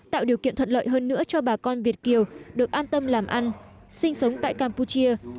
tạo điều kiện thuận lợi hơn nữa cho bà con việt kiều được an tâm làm ăn sinh sống tại campuchia